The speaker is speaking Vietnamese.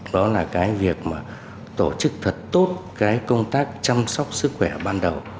đó là cái việc tổ chức thật tốt công tác chăm sóc sức khỏe ban đầu